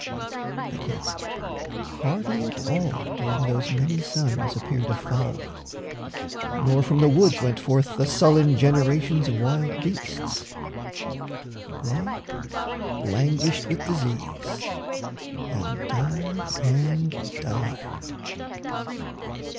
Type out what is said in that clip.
But yet Hardly at all during those many suns Appeared a fowl, nor from the woods went forth The sullen generations of wild beasts They languished with disease and died and died.